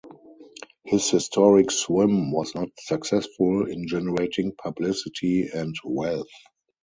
His historic swim was not successful in generating publicity and wealth.